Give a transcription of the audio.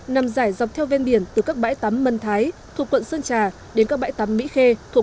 nằm dài dọc theo ven biển từ các bãi tắm mân thái thuộc quận sơn trà đến các bãi tắm mỹ khê thuộc